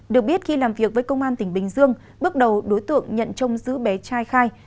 được biết khi làm việc với công an tỉnh bình dương bước đầu đối tượng nhận trông giữ bé trai khai